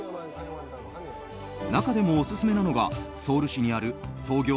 中でもオススメなのがソウル市にある創業